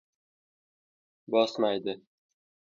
Bosmaydi!